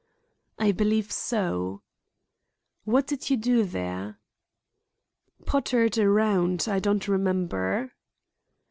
"I believe so." "What did you do there?" "Pottered around. I don't remember."